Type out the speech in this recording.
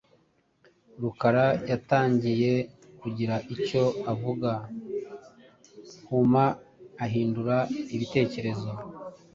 Rukara yatangiye kugira icyo avuga, hauma ahindura ibitekerezo.